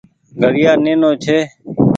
گهڙيآ نينو ڇي۔